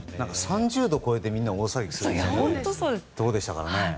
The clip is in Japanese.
３０度を超えて、みんな大騒ぎしていましたからね。